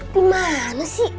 di mana sih